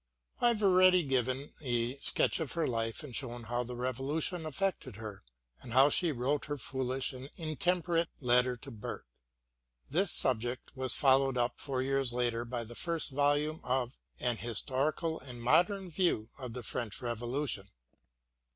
I have already given a sketch of her life and shown how the Revolution affected her, and how she wrote her foolish and intemperate " Letter to Burke." This subject was followed up four years later by the first volume of "An Historical and Modern View of the French Revolution."